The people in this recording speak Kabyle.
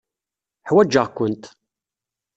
Ḥwajeɣ-kent.